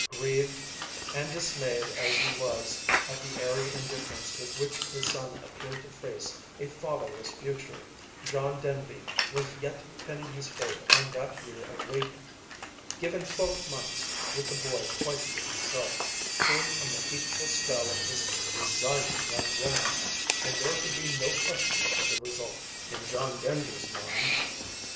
Grieved and dismayed as he was at the airy indifference with which his son appeared to face a fatherless future, John Denby was yet pinning his faith on that year of waiting. Given twelve months with the boy quite to himself, free from the hateful spell of this designing young woman, and there could be no question of the result in John Denby's mind.